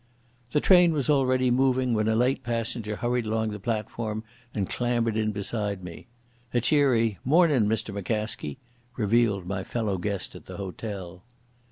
The train was already moving when a late passenger hurried along the platform and clambered in beside me. A cheery "Mornin', Mr McCaskie," revealed my fellow guest at the hotel.